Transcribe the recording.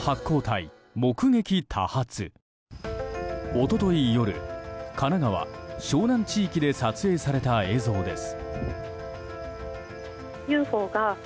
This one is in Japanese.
一昨日夜、神奈川・湘南地域で撮影された映像です。